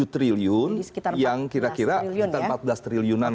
satu ratus empat puluh tujuh triliun yang kira kira empat belas triliunan lah